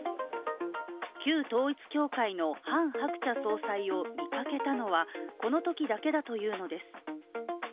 旧統一教会のハン・ハクチャ総裁を見かけたのはこのときだけだというのです。